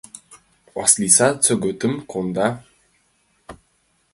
Васлица чӧгытым конда.